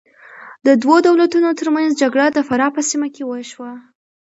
د دوو دولتونو تر منځ جګړه د فراه په سیمه کې وشوه.